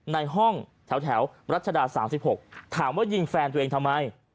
ในห้องแถวแถวรัชดาสามสิบหกถามว่ายิงแฟนตัวเองทำไม